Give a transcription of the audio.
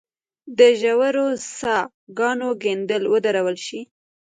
د ژورو څاه ګانو کیندل ودرول شي.